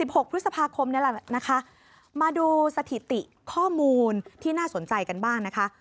หกพฤษภาคมนี่แหละนะคะมาดูสถิติข้อมูลที่น่าสนใจกันบ้างนะคะ